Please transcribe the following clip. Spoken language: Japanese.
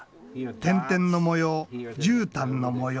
点々の模様じゅうたんの模様。